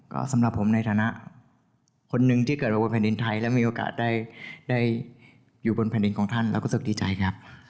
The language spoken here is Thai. ก็สำหรับผมในฐานะคนหนึ่งที่เกิดมาบนแผ่นดินไทยและมีโอกาสได้อยู่บนแผ่นดินของท่านแล้วก็รู้สึกดีใจครับ